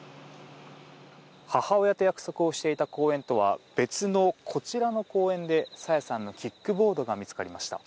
母親と約束をしていた公園とは別のこちらの公園で、朝芽さんのキックボードが見つかりました。